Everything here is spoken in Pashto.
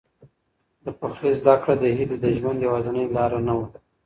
د پخلي زده کړه د هیلې د ژوند یوازینۍ لاره نه وه.